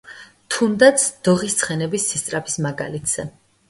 თუნდაც, დოღის ცხენების სისწრაფის მაგალითზე.